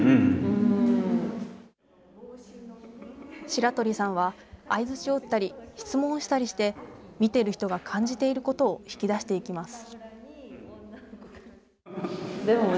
白鳥さんは、相づちを打ったり、質問したりして、見ている人が感じていることを引き出していきます。